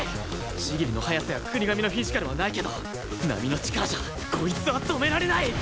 千切の速さや國神のフィジカルはないけど並の力じゃこいつは止められない！